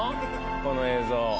この映像。